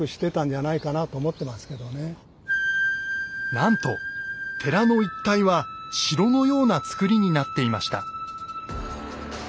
なんと寺の一帯は城のような造りになっていました。